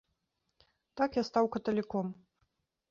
Так я стаў каталіком.